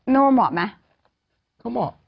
โน่เหมาะไหม